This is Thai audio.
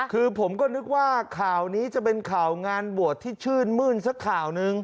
คือผมก็นึกว่าข่าวนี้จะเป็นข่าวงานบวชที่ชื่นมื้นสักข่าวนึง